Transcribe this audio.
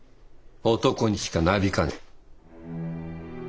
男にしかなびかねえ。